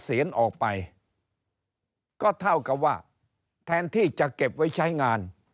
เสียนออกไปก็เท่ากับว่าแทนที่จะเก็บไว้ใช้งาน